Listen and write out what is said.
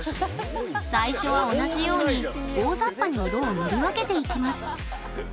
最初は同じように大ざっぱに色を塗り分けていきます